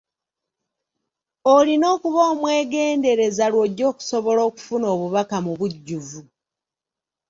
Olina okuba omwegendereza lw’ojja okusobola okufuna obubaka mu bujjuvu.